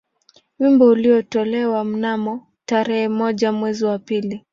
Wimbo ulitolewa mnamo tarehe moja mwezi wa pili